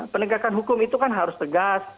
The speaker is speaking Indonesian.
penegakan hukum itu kan harus tegas